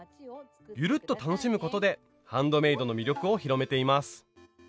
ゆるっと楽しむことでハンドメイドの魅力を広めています。